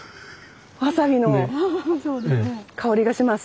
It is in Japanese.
わさびの香りがします。